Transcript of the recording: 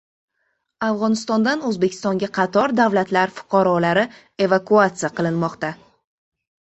Afg‘onistondan O‘zbekistonga qator davlatlar fuqarolari evakuasiya qilinmoqda